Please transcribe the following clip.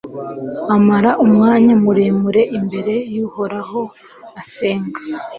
amara umwanya muremure imbere y'uhoraho asenga